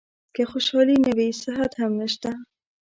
که خوشالي نه وي صحت هم نشته .